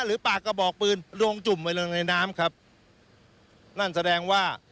หรือปากกระบอกปืนลวงจุ่มไปลงในน้ำครับนั่นแสดงว่า